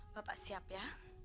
bapak siap ya